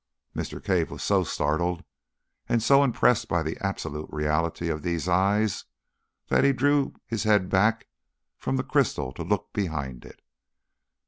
Mr. Cave was so startled and so impressed by the absolute reality of these eyes, that he drew his head back from the crystal to look behind it.